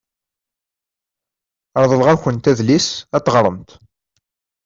Reḍleɣ-awent adlis ad t-teɣremt.